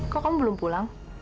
kok kamu belum pulang